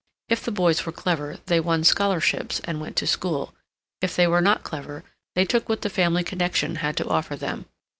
If the boys were clever, they won scholarships, and went to school; if they were not clever, they took what the family connection had to offer them.